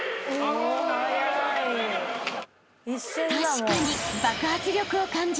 ［確かに］